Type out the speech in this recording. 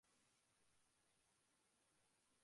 দেড় মিনিট পর লকডাউন হয়ে যাবে।